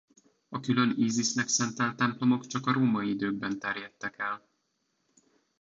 A külön Ízisznek szentelt templomok csak a római időkben terjedtek el.